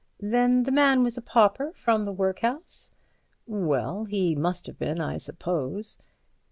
"Then the man was a pauper from the workhouse." "Well, he must have been, I suppose."